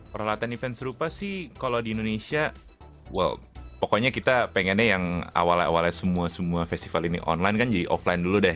peralatan event serupa sih kalau di indonesia wow pokoknya kita pengennya yang awal awalnya semua semua festival ini online kan jadi offline dulu deh